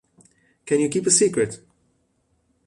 Can you keep a secret?